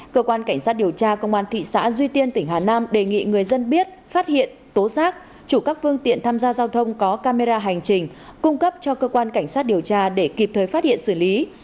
cơ quan cảnh sát điều tra công an thị xã duy tiên tỉnh hà nam đề nghị người dân biết phát hiện tố xác chủ các phương tiện tham gia giao thông có camera hành trình cung cấp cho cơ quan cảnh sát điều tra để kịp thời phát hiện xử lý